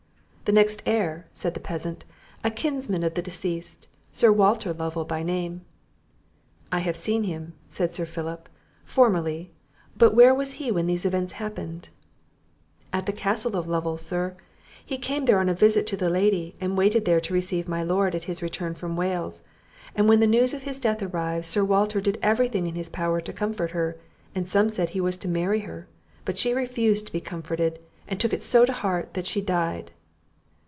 "The next heir," said the peasant, "a kinsman of the deceased, Sir Walter Lovel by name." "I have seen him," said Sir Philip, "formerly; but where was he when these events happened?" "At the Castle of Lovel, sir; he came there on a visit to the lady, and waited there to receive my Lord, at his return from Wales; when the news of his death arrived, Sir Walter did every thing in his power to comfort her, and some said he was to marry her; but she refused to be comforted, and took it so to heart that she died."